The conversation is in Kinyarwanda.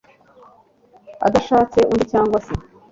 adashatse undi cyangwa se